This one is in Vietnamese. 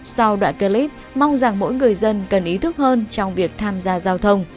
sau đoạn clip mong rằng mỗi người dân cần ý thức hơn trong việc tham gia giao thông